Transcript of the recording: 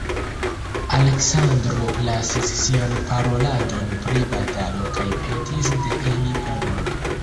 Aleksandro lasis sian paroladon pri batalo kaj petis de ili panon.